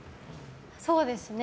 そうですね。